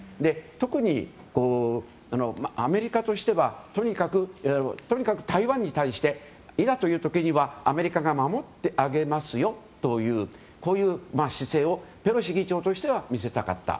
特にアメリカとしてはとにかく台湾に対していざという時にはアメリカが守ってあげますよというこういう姿勢をペロシ議長としては見せたかった。